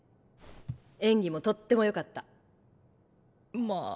演技もとってもよかった。